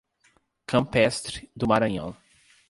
Campestre do Maranhão